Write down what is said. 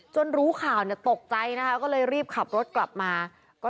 รู้ข่าวเนี่ยตกใจนะคะก็เลยรีบขับรถกลับมาก็